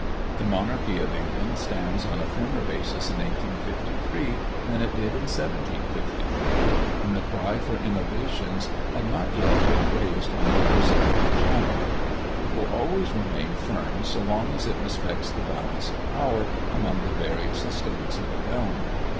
The monarchy of England stands on a firmer basis in 1853 than it did in 1753, when the cry for innovations had not yet been raised on the other side of the channel; it will always remain firm so long as it respects the balance of power among the various estates of the realm.